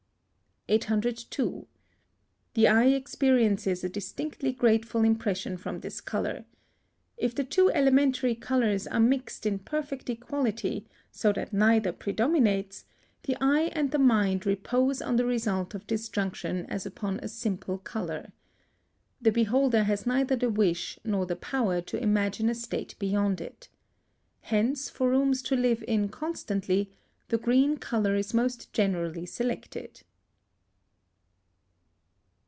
802. The eye experiences a distinctly grateful impression from this colour. If the two elementary colours are mixed in perfect equality so that neither predominates, the eye and the mind repose on the result of this junction as upon a simple colour. The beholder has neither the wish nor the power to imagine a state beyond it. Hence for rooms to live in constantly, the green colour is most generally selected.